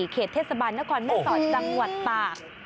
เขตเทศบันนครแม่สอยจังหวัดป่า